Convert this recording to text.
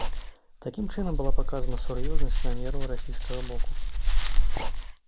Такім чынам была паказана сур'ёзнасць намераў расійскага боку.